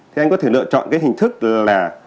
thì anh có thể lựa chọn hình thức là